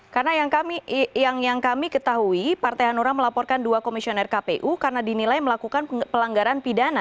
karena yang kami ketahui partai hanura melaporkan dua komisioner kpu karena dinilai melakukan pelanggaran pidana